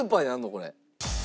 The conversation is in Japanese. これ。